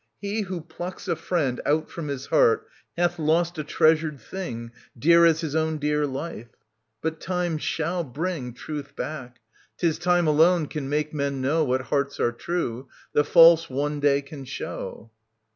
He who plucks a friend " Out from his heart hath lost a treasured thing Dear as his own dear life. But Time shall bring 34 ^.614 626 OEDIPUS, KING OF THEBES Truth back. 'Tis Time alone can make men know What hearts are true j the false one day can show.